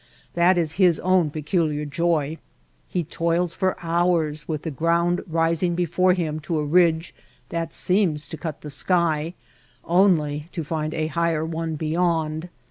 That is his own peculiar joy. He toils for hours with the ground rising before him to a ridge that seems to cut the sky, only to find a higher one beyond.